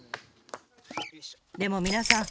でも皆さん